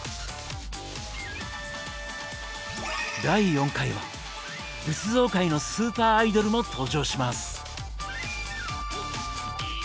第４回は仏像界のスーパーアイドルも登場します。